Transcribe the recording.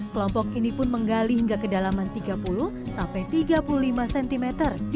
kelompok ini pun menggali nek h screw